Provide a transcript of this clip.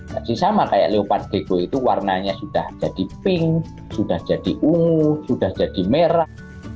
masih sama kayak leopard gego itu warnanya sudah jadi pink sudah jadi ungu sudah jadi merah